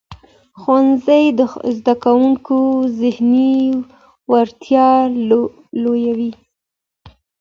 ښوونځی د زدهکوونکو ذهني وړتیا لوړوي.